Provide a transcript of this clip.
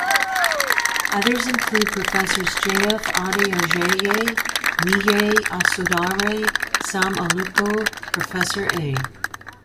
Others include Professors J. F. Ade Ajayi, Niyi Osundare, Sam Aluko, Professor A.